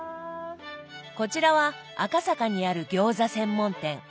こちらは赤坂にある餃子専門店。